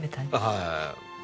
はい。